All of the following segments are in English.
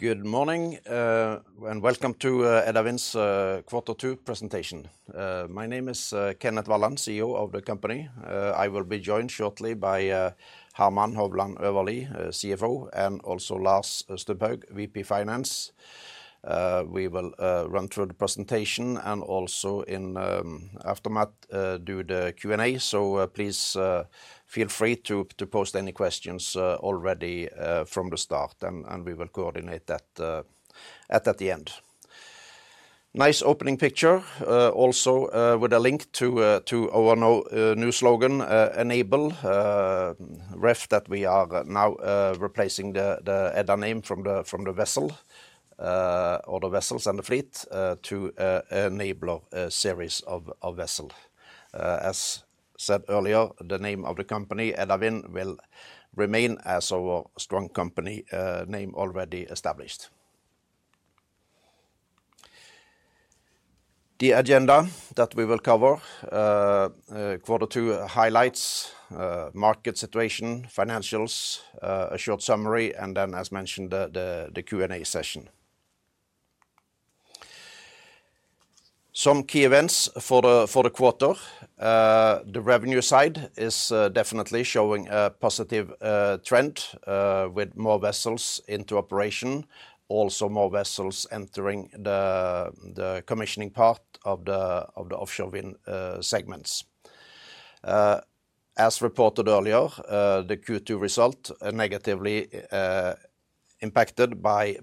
Good morning, and welcome to Edda Wind's quarter two presentation. My name is Kenneth Walland, CEO of the company. I will be joined shortly by Hermann Hovland Øverlie, CFO, and also Lars Stubhaug, VP Finance. We will run through the presentation, and also in aftermath, do the Q&A. So, please feel free to post any questions already from the start, and we will coordinate that at the end. Nice opening picture, also with a link to our new slogan, Enabler, that we are now replacing the Edda name from the vessel or the vessels and the fleet to Enabler series of vessel. As said earlier, the name of the company, Edda Wind, will remain as our strong company name already established. The agenda that we will cover quarter two highlights, market situation, financials, a short summary, and then, as mentioned, the Q&A session. Some key events for the quarter. The revenue side is definitely showing a positive trend with more vessels into operation, also more vessels entering the commissioning part of the offshore wind segments. As reported earlier, the Q2 result are negatively impacted by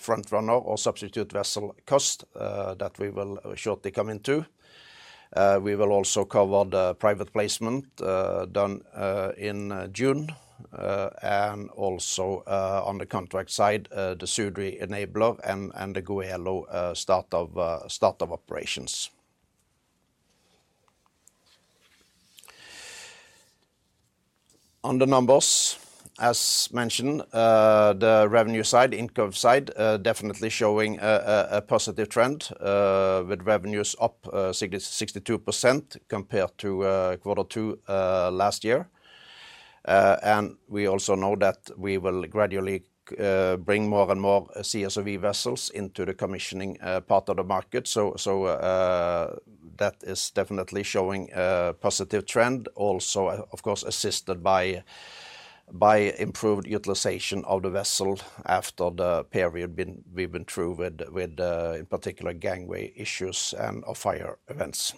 front-runner or substitute vessel cost that we will shortly come into. We will also cover the private placement done in June. And also, on the contract side, the Sudri Enabler and the Goelo start of operations. On the numbers, as mentioned, the revenue side, income side, definitely showing a positive trend, with revenues up 62% compared to quarter two last year. And we also know that we will gradually bring more and more CSOV vessels into the commissioning part of the market. So, that is definitely showing a positive trend. Also, of course, assisted by improved utilization of the vessel after the period we've been through with, in particular, gangway issues and/or fire events.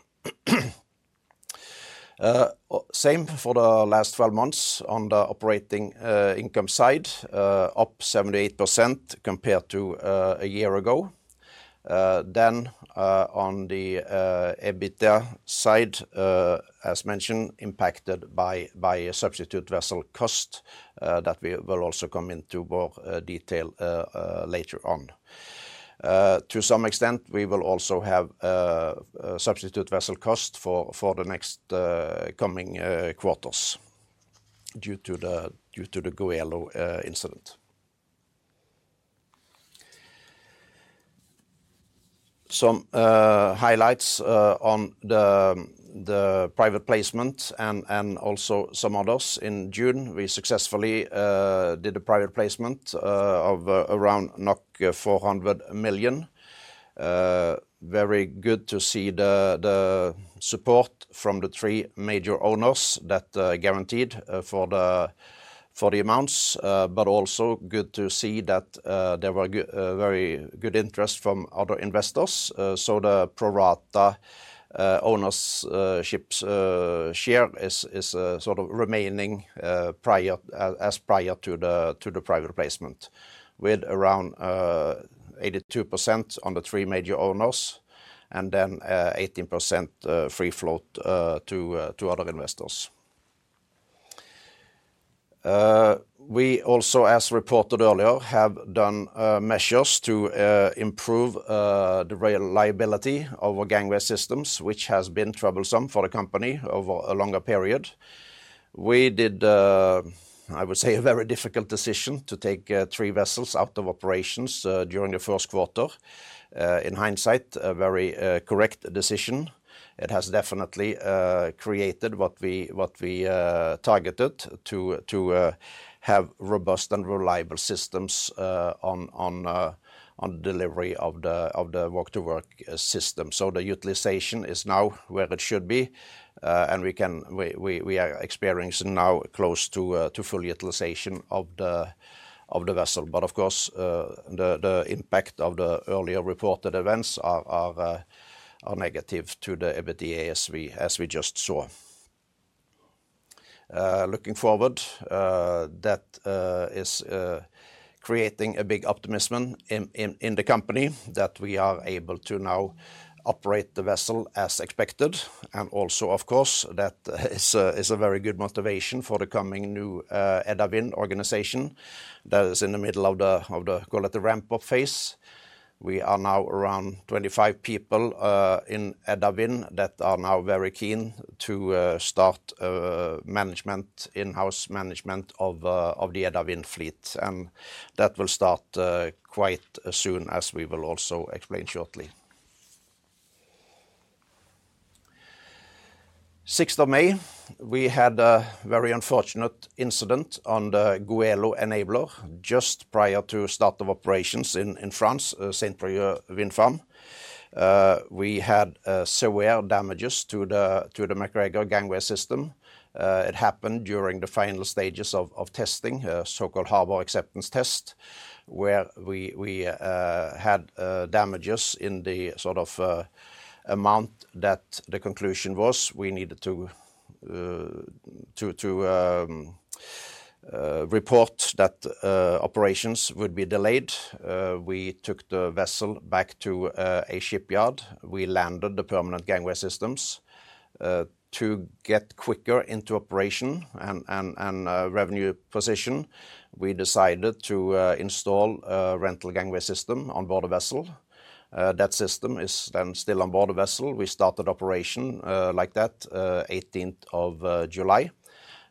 Same for the last 12 months on the operating income side, up 78% compared to a year ago. Then, on the EBITDA side, as mentioned, impacted by a substitute vessel cost that we will also come into more detail later on. To some extent, we will also have a substitute vessel cost for the next coming quarters due to the Goelo incident. Some highlights on the private placement and also some others. In June, we successfully did a private placement of around 400 million. Very good to see the support from the three major owners that guaranteed for the amounts, but also good to see that there were good very good interest from other investors. So the pro rata ownership share is sort of remaining as prior to the private placement, with around 82% on the three major owners, and then 18% free float to other investors. We also, as reported earlier, have done measures to improve the reliability of our gangway systems, which has been troublesome for the company over a longer period. We did, I would say, a very difficult decision to take three vessels out of operations during the first quarter. In hindsight, a very correct decision. It has definitely created what we targeted to have robust and reliable systems on delivery of the walk-to-work system. So the utilization is now where it should be, and we can. We are experiencing now close to full utilization of the vessel. But of course, the impact of the earlier reported events are negative to the EBITDA, as we just saw. Looking forward, that is creating a big optimism in the company, that we are able to now operate the vessel as expected. And also, of course, that is a very good motivation for the coming new Edda Wind organization that is in the middle of the, call it the ramp-up phase. We are now around 25 people in Edda Wind that are now very keen to start in-house management of the Edda Wind fleet. And that will start quite soon, as we will also explain shortly. Sixth of May, we had a very unfortunate incident on the Goelo Enabler just prior to start of operations in France, Saint-Brieuc wind farm. We had severe damages to the MacGregor gangway system. It happened during the final stages of testing, a so-called harbor acceptance test, where we had damages in the sort of amount that the conclusion was we needed to report that operations would be delayed. We took the vessel back to a shipyard. We landed the permanent gangway systems. To get quicker into operation and revenue position, we decided to install a rental gangway system on board the vessel. That system is then still on board the vessel. We started operation like that eighteenth of July.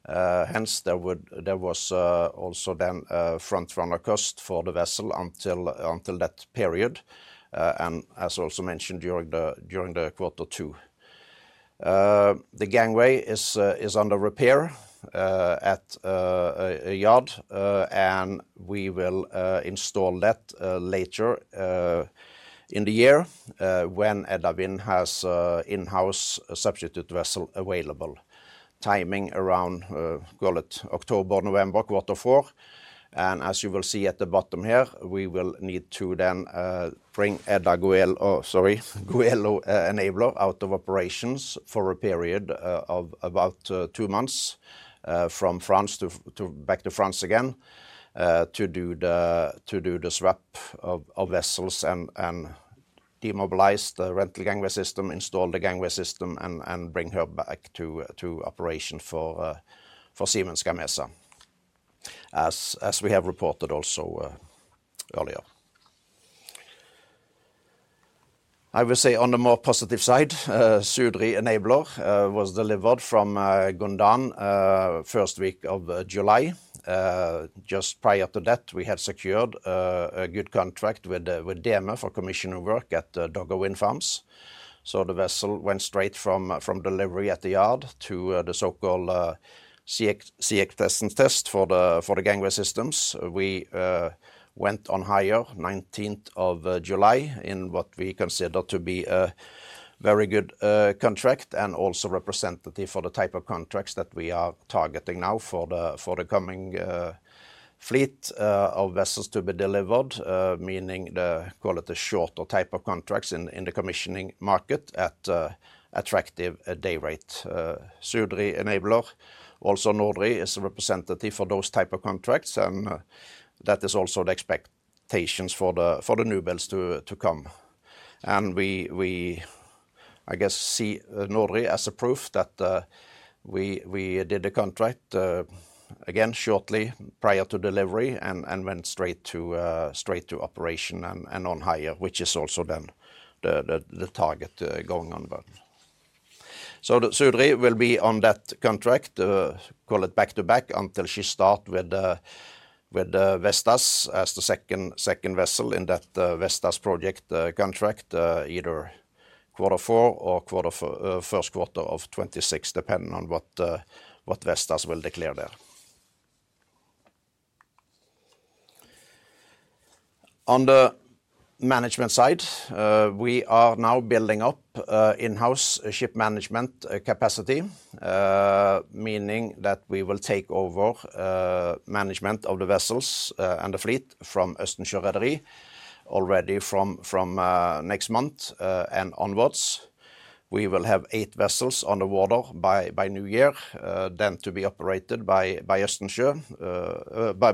Hence, there was also then a front-runner cost for the vessel until that period, and as also mentioned during the quarter two. The gangway is under repair at a yard, and we will install that later in the year when Edda Wind has an in-house substitute vessel available. Timing around, call it October, November, quarter four. As you will see at the bottom here, we will need to then bring Goelo Enabler out of operations for a period of about two months, from France to back to France again, to do the swap of vessels and demobilize the rental gangway system, install the gangway system, and bring her back to operation for Siemens Gamesa, as we have reported also earlier. I will say on the more positive side, Sudri Enabler was delivered from Gondan first week of July. Just prior to that, we had secured a good contract with DEME for commissioning work at Dogger wind farms. So the vessel went straight from delivery at the yard to the so-called sea acceptance test for the gangway systems. We went on hire nineteenth of July in what we consider to be a very good contract and also representative for the type of contracts that we are targeting now for the coming fleet of vessels to be delivered, meaning the, call it the shorter type of contracts in the commissioning market at a attractive day rate. Sudri Enabler, also Nordri, is a representative for those type of contracts, and that is also the expectations for the newbuilds to come. We see Nordri as proof that we did a contract again shortly prior to delivery and went straight to operation and on hire, which is also then the target going onward. So the Sudri will be on that contract, call it back-to-back, until she start with the Vestas as the second vessel in that Vestas project contract, either quarter four or first quarter of 2026, depending on what Vestas will declare there. On the management side, we are now building up in-house ship management capacity, meaning that we will take over management of the vessels and the fleet from Østensjø Rederi already from next month and onwards. We will have eight vessels on the water by New Year, then to be operated by Østensjø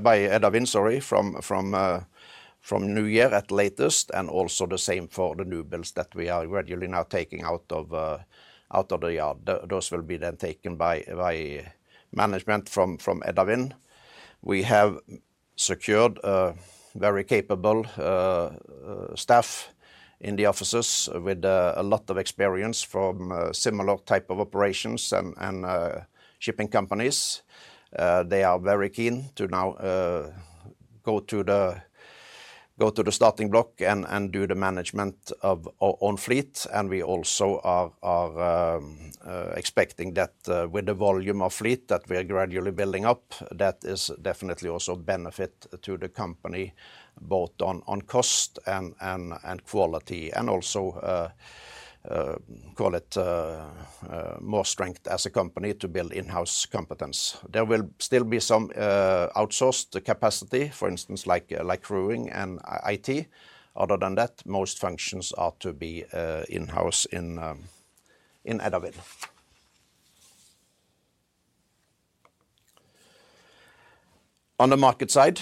by Edda Wind, sorry, from New Year at latest, and also the same for the newbuilds that we are gradually now taking out of the yard. Those will be then taken by management from Edda Wind. We have secured a very capable staff in the offices with a lot of experience from similar type of operations and shipping companies. They are very keen to now go to the starting block and do the management of own fleet. And we also are expecting that with the volume of fleet that we are gradually building up, that is definitely also a benefit to the company, both on cost and quality, and also call it more strength as a company to build in-house competence. There will still be some outsourced capacity, for instance, like crewing and IT. Other than that, most functions are to be in-house in Edda Wind. On the market side,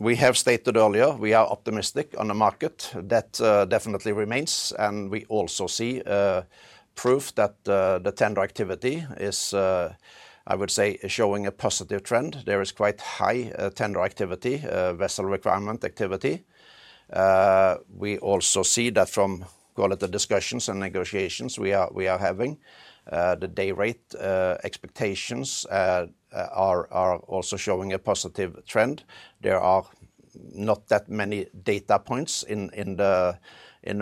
we have stated earlier, we are optimistic on the market. That definitely remains, and we also see proof that the tender activity is, I would say, showing a positive trend. There is quite high tender activity, vessel requirement activity. We also see that from call it the discussions and negotiations we are having, the day rate expectations are also showing a positive trend. There are not that many data points in the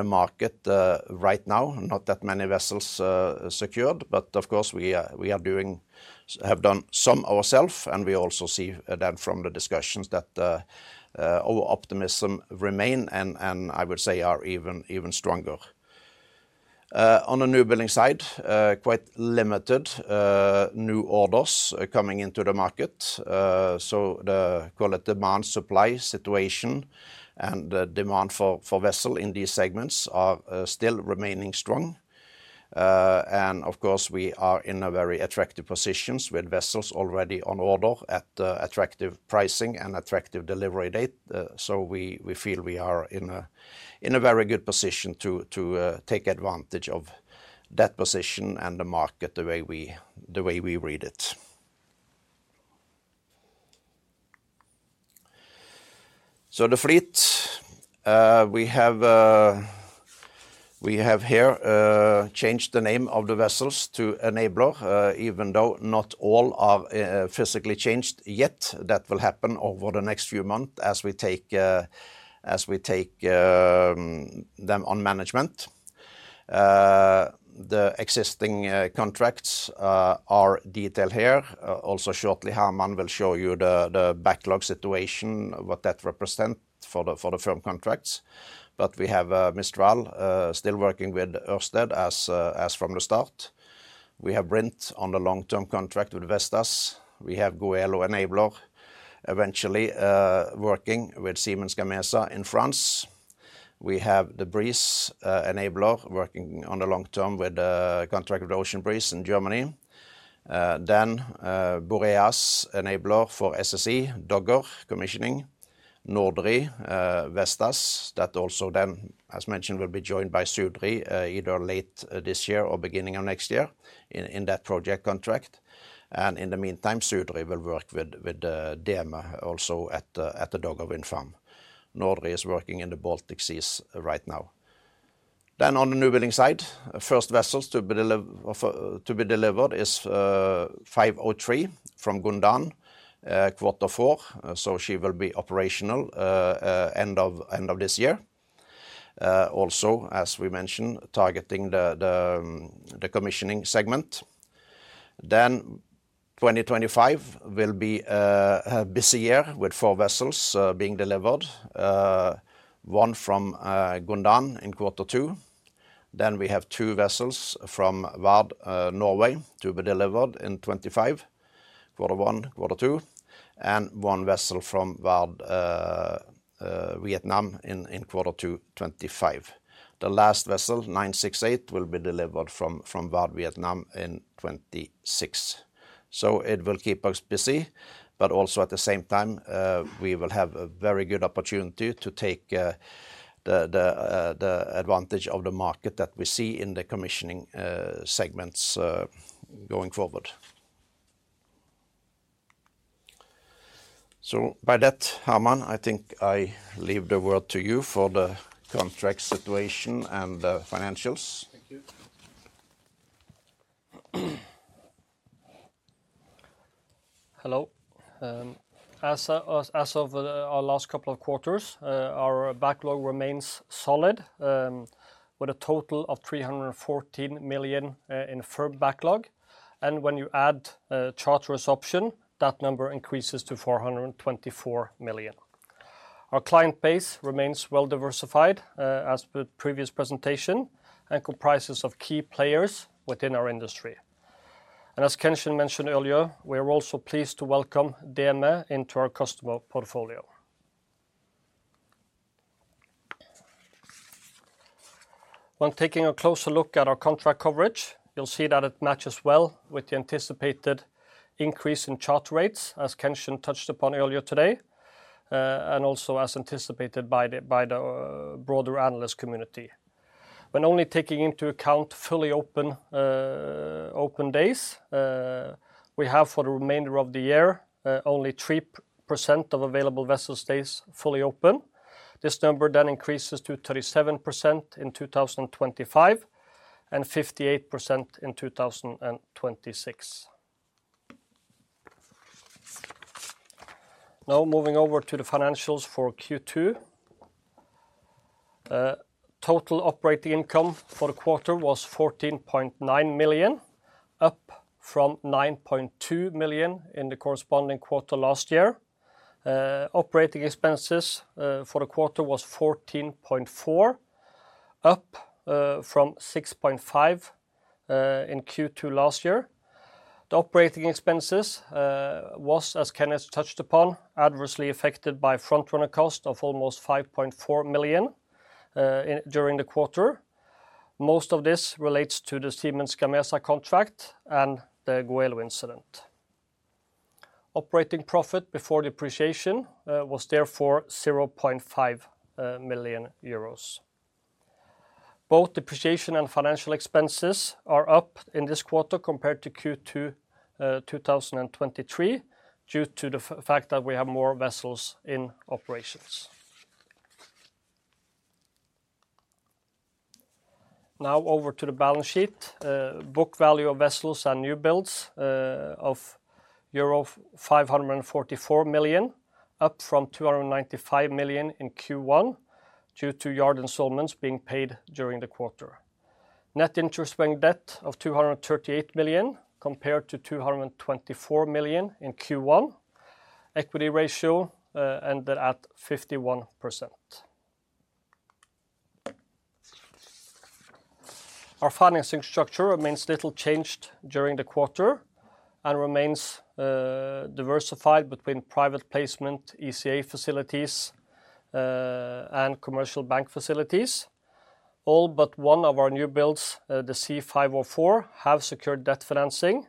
market right now, not that many vessels secured, but of course, we have done some ourselves, and we also see that from the discussions that our optimism remains, and I would say are even stronger. On the newbuild side, quite limited new orders coming into the market. So the call it demand-supply situation and the demand for vessels in these segments are still remaining strong. And of course, we are in a very attractive position with vessels already on order at attractive pricing and attractive delivery date. So we feel we are in a very good position to take advantage of that position and the market the way we read it. So the fleet we have here changed the name of the vessels to Enabler even though not all are physically changed yet. That will happen over the next few months as we take them on management. The existing contracts are detailed here. Also shortly, Hermann will show you the backlog situation, what that represent for the firm contracts. But we have Mistral still working with Ørsted as from the start. We have Brint on the long-term contract with Vestas. We have Goelo Enabler eventually working with Siemens Gamesa in France. We have the Breeze Enabler working on the long-term contract with Ocean Breeze in Germany. Then Boreas Enabler for SSE Dogger commissioning. Nordri, Vestas, that also then, as mentioned, will be joined by Sudri, either late this year or beginning of next year in that project contract. And in the meantime, Sudri will work with them also at the Dogger Wind Farm. Nordri is working in the Baltic Sea right now. Then on the newbuild side, first vessels to be delivered is C503 from Gondan, quarter four, so she will be operational end of this year. Also, as we mentioned, targeting the commissioning segment. Then 2025 will be a busy year with four vessels being delivered. One from Gondan in quarter two, then we have two vessels from Vard Norway to be delivered in 2025, quarter one, quarter two, and one vessel from Vard Vietnam in quarter two 2025. The last vessel, 968, will be delivered from Vard Vietnam in 2026. It will keep us busy, but also at the same time, we will have a very good opportunity to take the advantage of the market that we see in the commissioning segments going forward. By that, Hermann, I think I leave the word to you for the contract situation and the financials. Thank you. Hello. As of our last couple of quarters, our backlog remains solid, with a total of 314 million in firm backlog, and when you add charterer's option, that number increases to 424 million. Our client base remains well diversified, as per previous presentation, and comprises of key players within our industry. As Kenneth mentioned earlier, we are also pleased to welcome DEME into our customer portfolio. When taking a closer look at our contract coverage, you'll see that it matches well with the anticipated increase in charter rates, as Kenneth touched upon earlier today, and also as anticipated by the broader analyst community. When only taking into account fully open open days, we have for the remainder of the year only 3% of available vessel stays fully open. This number then increases to 37% in 2025, and 58% in 2026. Now, moving over to the financials for Q2. Total operating income for the quarter was 14.9 million, up from 9.2 million in the corresponding quarter last year. Operating expenses for the quarter was 14.4 million, up from 6.5 million in Q2 last year. The operating expenses was, as Kenneth touched upon, adversely affected by front-runner cost of almost 5.4 million during the quarter. Most of this relates to the Siemens Gamesa contract and the Goelo incident. Operating profit before depreciation was therefore 0.5 million euros. Both depreciation and financial expenses are up in this quarter compared to Q2 2023, due to the fact that we have more vessels in operations. Now over to the balance sheet. Book value of vessels and new builds of euro 544 million, up from 295 million in Q1, due to yard installments being paid during the quarter. Net interest-bearing debt of 238 million, compared to 224 million in Q1. Equity ratio ended at 51%. Our financing structure remains little changed during the quarter and remains diversified between private placement, ECA facilities, and commercial bank facilities. All but one of our new builds, the C504, have secured debt financing,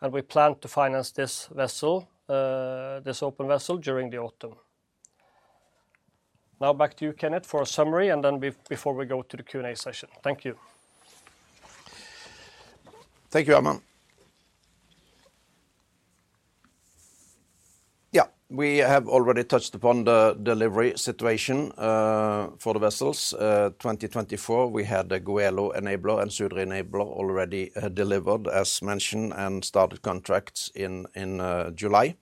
and we plan to finance this vessel, this open vessel, during the autumn. Now back to you, Kenneth, for a summary and then before we go to the Q&A session. Thank you. Thank you, Hermann. Yeah, we have already touched upon the delivery situation for the vessels. 2024, we had the Goelo Enabler and Sudri Enabler already delivered, as mentioned, and started contracts in July.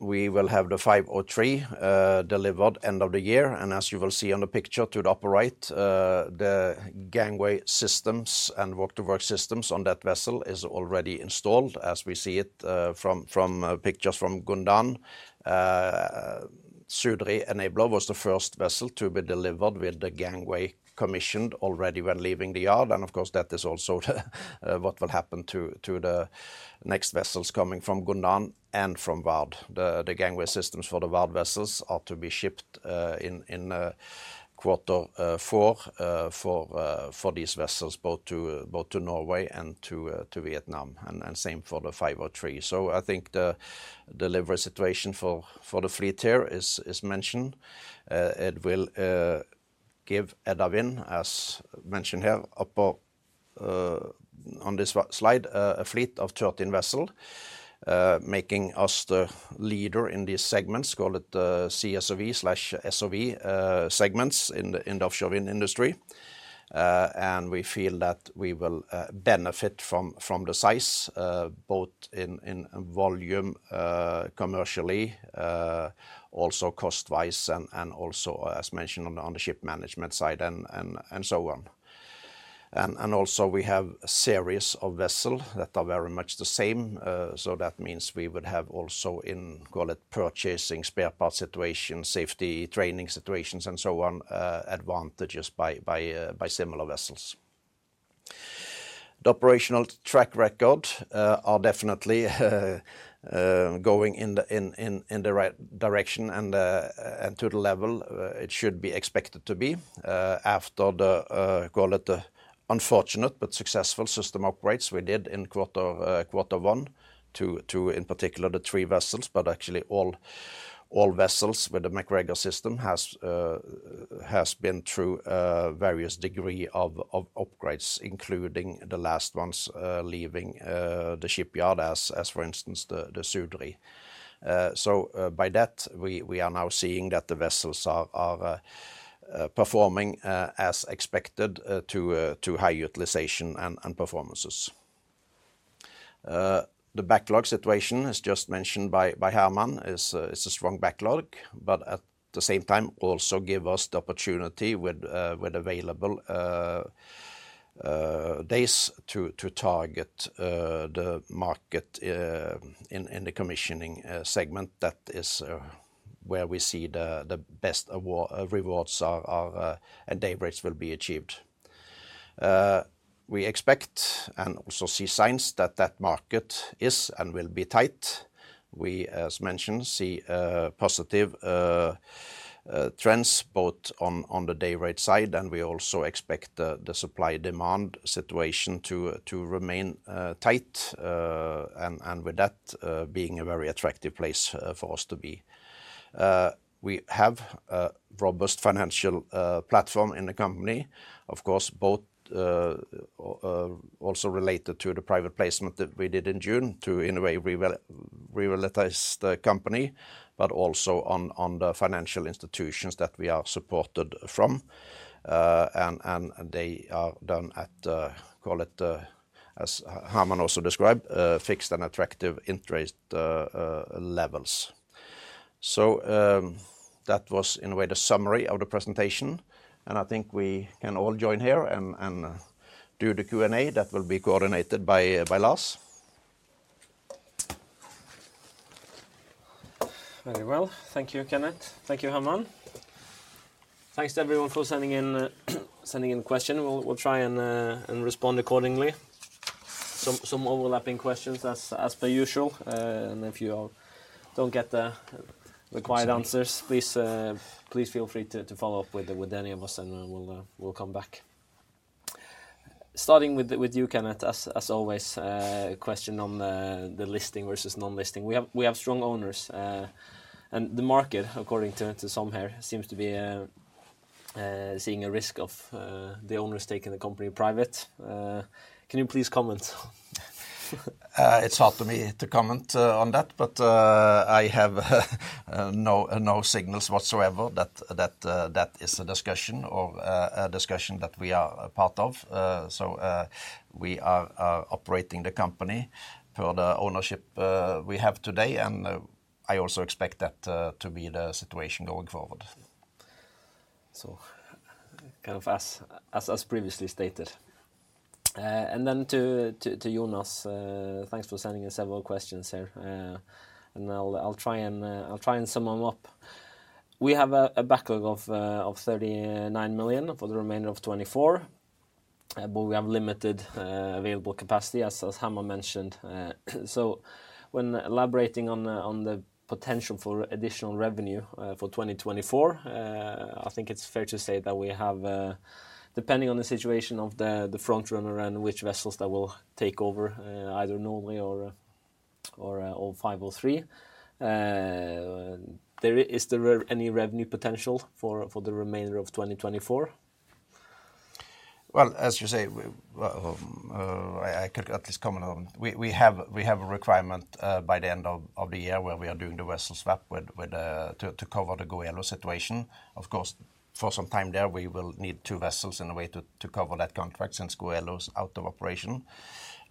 We will have the C503 delivered end of the year, and as you will see on the picture to the upper right, the gangway systems and walk-to-work systems on that vessel is already installed as we see it from pictures from Gondan. Sudri Enabler was the first vessel to be delivered with the gangway commissioned already when leaving the yard, and of course, that is also what will happen to the next vessels coming from Gondan and from Vard. The gangway systems for the Vard vessels are to be shipped in quarter four for these vessels, both to Norway and to Vietnam, and same for the C503. So I think the delivery situation for the fleet here is mentioned. It will give Edda Wind, as mentioned here up on this slide, a fleet of thirteen vessel, making us the leader in these segments, call it the CSOV/SOV segments in the offshore wind industry. And we feel that we will benefit from the size both in volume commercially also cost-wise and so on. Also, we have a series of vessels that are very much the same, so that means we would have also in call it purchasing spare parts situation, safety training situations, and so on, advantages by similar vessels. The operational track record are definitely going in the right direction and to the level it should be expected to be after the call it unfortunate but successful system upgrades we did in quarter one to in particular the three vessels. But actually all vessels with the MacGregor system has been through various degree of upgrades, including the last ones leaving the shipyard as for instance the Sudri. So, by that, we are now seeing that the vessels are performing as expected to high utilization and performances. The backlog situation, as just mentioned by Hermann, is a strong backlog, but at the same time, also give us the opportunity with available days to target the market in the commissioning segment. That is where we see the best rewards are and day rates will be achieved. We expect, and also see signs that that market is and will be tight. We, as mentioned, see positive trends both on the day rate side, and we also expect the supply-demand situation to remain tight, and with that being a very attractive place for us to be. We have a robust financial platform in the company. Of course, both also related to the private placement that we did in June to, in a way, revitalize the company, but also on the financial institutions that we are supported from. And they are done at, call it, as Hermann also described, fixed and attractive interest levels. That was, in a way, the summary of the presentation, and I think we can all join here and do the Q&A. That will be coordinated by Lars. Very well. Thank you, Kenneth. Thank you, Hermann. Thanks to everyone for sending in question. We'll try and respond accordingly. Some overlapping questions as per usual, and if you all don't get the required answers- Sorry... please feel free to follow up with any of us, and we'll come back. Starting with you, Kenneth, as always, question on the listing versus non-listing. We have strong owners, and the market, according to some here, seems to be seeing a risk of the owners taking the company private. Can you please comment on --... It's hard for me to comment on that, but I have no signals whatsoever that that is a discussion or a discussion that we are a part of. So we are operating the company per the ownership we have today, and I also expect that to be the situation going forward. So kind of as previously stated. And then to Jonas, thanks for sending in several questions here. And I'll try and sum them up. We have a backlog of 39 million for the remainder of 2024, but we have limited available capacity, as Hermann mentioned. So when elaborating on the potential for additional revenue for 2024, I think it's fair to say that we have, depending on the situation of the front-runner and which vessels that will take over, either Nordri or C503. There is... Is there any revenue potential for the remainder of 2024? As you say, I could at least comment on. We have a requirement by the end of the year, where we are doing the vessel swap with to cover the Goelo situation. Of course, for some time there, we will need two vessels in a way to cover that contract since Goelo is out of operation.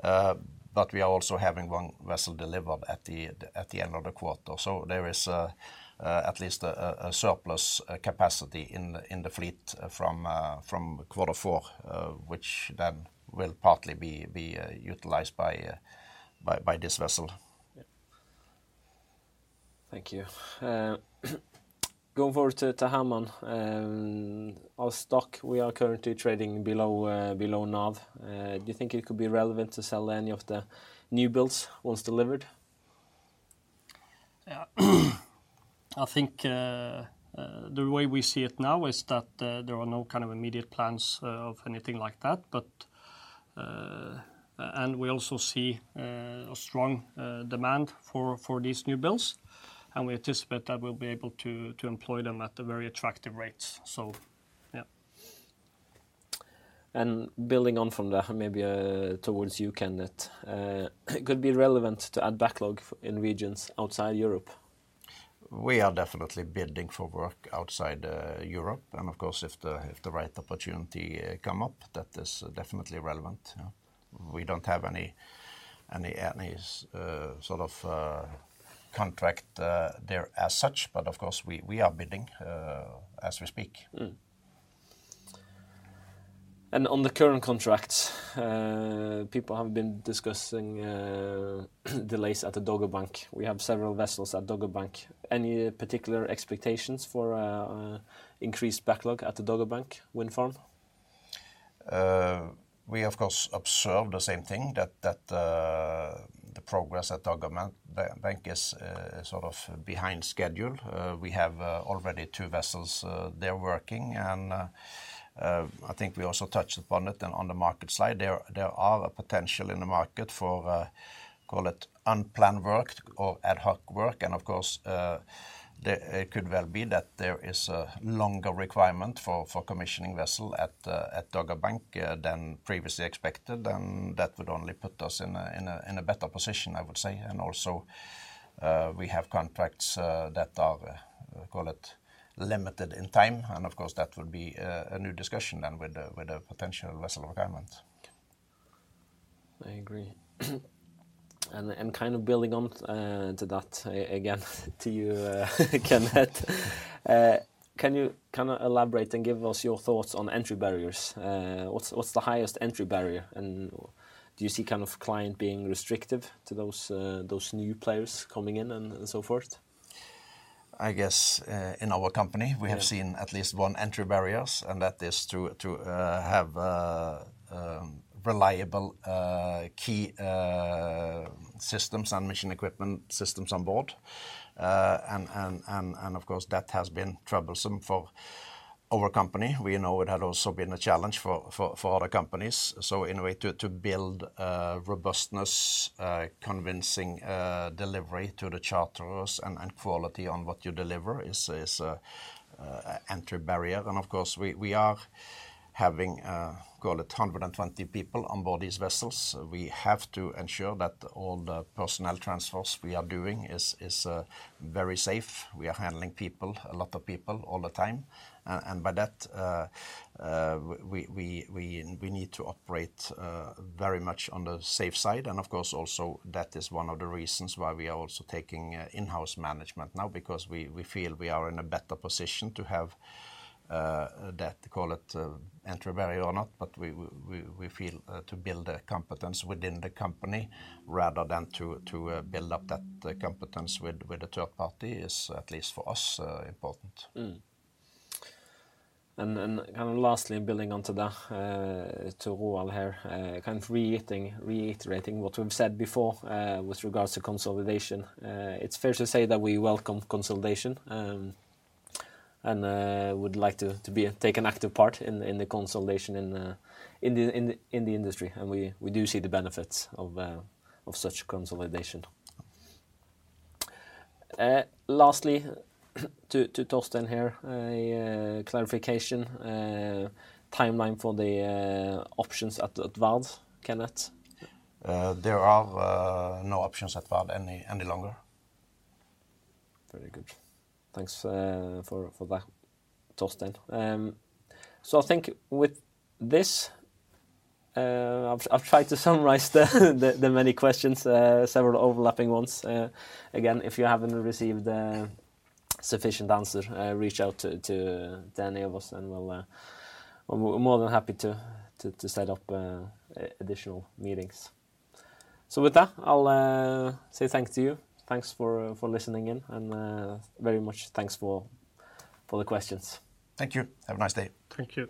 But we are also having one vessel delivered at the end of the quarter. So there is at least a surplus capacity in the fleet from quarter four, which then will partly be utilized by this vessel. Yeah. Thank you. Going forward to Hermann, our stock, we are currently trading below NAV. Do you think it could be relevant to sell any of the new builds once delivered? Yeah. I think the way we see it now is that there are no kind of immediate plans of anything like that, but... And we also see a strong demand for these new builds, and we anticipate that we'll be able to employ them at a very attractive rates. So, yeah. Building on from there, maybe, towards you, Kenneth. Could it be relevant to add backlog in regions outside Europe? We are definitely bidding for work outside Europe, and of course, if the right opportunity come up, that is definitely relevant, yeah. We don't have any sort of contract there as such, but of course we are bidding as we speak. And on the current contracts, people have been discussing delays at the Dogger Bank. We have several vessels at Dogger Bank. Any particular expectations for increased backlog at the Dogger Bank wind farm? We, of course, observe the same thing, that the progress at Dogger Bank is sort of behind schedule. We have already two vessels there working, and I think we also touched upon it and on the market side, there are a potential in the market for, call it, unplanned work or ad hoc work, and of course, it could well be that there is a longer requirement for commissioning vessel at the Dogger Bank than previously expected, and that would only put us in a better position, I would say, and also, we have contracts that are, call it, limited in time, and of course, that would be a new discussion than with a potential vessel requirement. I agree. And kind of building on to that, again, to you, Kenneth. Can you kind of elaborate and give us your thoughts on entry barriers? What's the highest entry barrier, and do you see kind of client being restrictive to those new players coming in and so forth? I guess, in our company- Yeah... we have seen at least one entry barriers, and that is to have reliable key systems and mission equipment systems on board. And of course, that has been troublesome for our company. We know it had also been a challenge for other companies. So in a way to build robustness, convincing delivery to the charterers and quality on what you deliver is entry barrier. And of course, we are having, call it 120 people on board these vessels. We have to ensure that all the personnel transfers we are doing is very safe. We are handling people, a lot of people all the time. And by that, we need to operate very much on the safe side. And of course, also, that is one of the reasons why we are also taking in-house management now, because we feel we are in a better position to have that, call it, entry barrier or not, but we feel to build a competence within the company rather than to build up that competence with a third party is, at least for us, important. And then kind of lastly, building on to that, to Roar here, kind of reiterating what we've said before, with regards to consolidation. It's fair to say that we welcome consolidation, and would like to take an active part in the consolidation in the industry, and we do see the benefits of such consolidation. Lastly, to Thorsten here, a clarification, timeline for the options at Vard, Kenneth? There are no options at Vard any longer. Very good. Thanks for that, Thorsten. So I think with this, I've tried to summarize the many questions, several overlapping ones. Again, if you haven't received a sufficient answer, reach out to any of us, and we're more than happy to set up additional meetings. So with that, I'll say thanks to you. Thanks for listening in and very much thanks for the questions. Thank you. Have a nice day. Thank you.